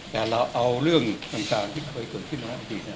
และเราเอาเรื่องกลางที่เคยเกิดขึ้นมา